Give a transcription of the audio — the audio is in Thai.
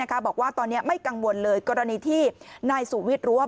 บอกว่าตอนนี้ไม่กังวลเลยกรณีที่นายสูวิทย์รู้ว่า